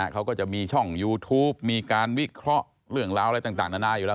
เขาก็จะมีช่องยูทูปมีการวิเคราะห์เรื่องราวอะไรต่างนานาอยู่แล้ว